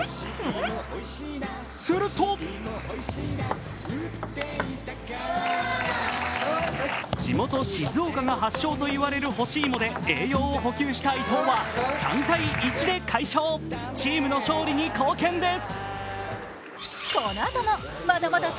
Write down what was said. すると地元・静岡が発祥と言われる干しいもで栄養を補給した伊藤は３−１で快勝、チームの勝利に貢献です。